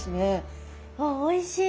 あおいしい！